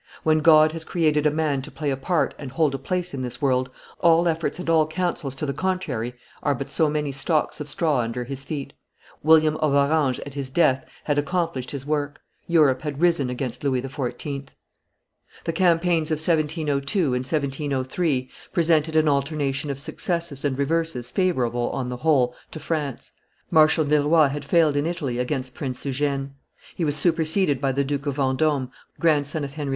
When God has created a man to play a part and hold a place in this world, all efforts and all counsels to the contrary are but so many stalks of straw under his feet. William of Orange at his death had accomplished his work: Europe had risen against Louis XIV. The campaigns of 1702 and 1703 presented an alternation of successes and reverses favorable, on the whole, to France. Marshal Villeroi had failed in Italy against Prince Eugene. He was superseded by the Duke of Vendome, grandson of Henry IV.